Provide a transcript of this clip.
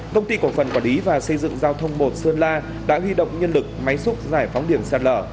công ty cổ phần quản lý và xây dựng giao thông một sơn la đã huy động nhân lực máy xúc giải phóng điểm sạt lở